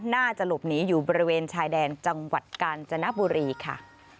น่าจะหลบหนีอยู่บริเวณชายแดนจังหวัดกาญจนบุรีค่ะ